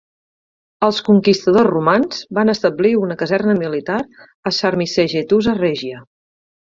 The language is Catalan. Els conquistadors romans van establir una caserna militar a Sarmisegetusa Regia.